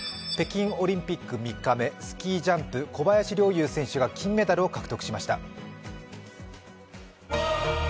北京オリンピック３日目、スキージャンプ、小林陵侑選手が金メダルを獲得しました。